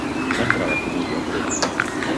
Va entrar de comodí al programa.